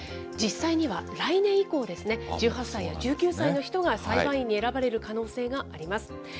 実際には、来年以降ですね、１８歳や１９歳の人が裁判員に選ばれる可能性があります。